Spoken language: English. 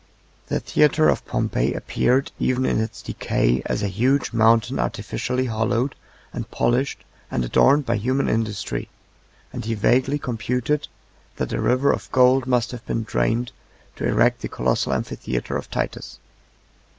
The theatre of Pompey appeared, even in its decay, as a huge mountain artificially hollowed, and polished, and adorned by human industry; and he vaguely computed, that a river of gold must have been drained to erect the colossal amphitheatre of Titus.